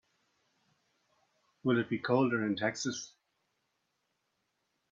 Will it be colder in Texas?